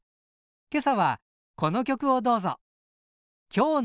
今朝はこの曲をどうぞ！